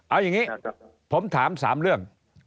เอาอย่างนี้ผมถาม๓เรื่อง